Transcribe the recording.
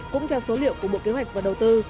cũng theo số liệu của bộ kế hoạch và đầu tư